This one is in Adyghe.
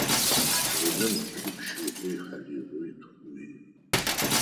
Унэм илъэп щыгъуи, хьалыгъуи, тхъуи.